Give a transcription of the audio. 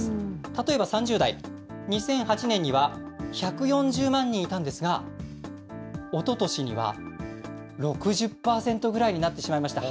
例えば３０代、２００８年には１４０万人いたんですが、おととしには６０％ぐらいになってしまいました。